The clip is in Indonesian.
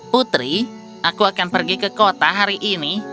putri aku akan pergi ke kota hari ini